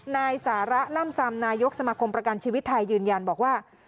นายสาระล่ำซำนายกสมาคมประกันชีวิตไทยยืนยันบอกว่า